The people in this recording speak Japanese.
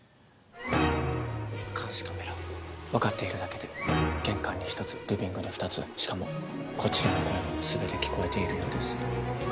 監視カメラわかっているだけで玄関に１つリビングに２つしかもこちらの声も全て聞こえているようです。